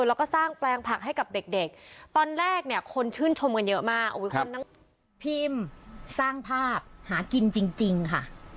แล้วก็สร้างแปลงผักให้กับเด็กตอนแรกเนี่ยคนชื่นชมกันเยอะมากคนทั้งพิมพ์สร้างภาพหากินจริงค่ะ